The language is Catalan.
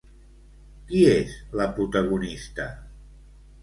Qui és la protagonista?